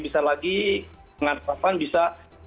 bisa lagi dengan harapan bisa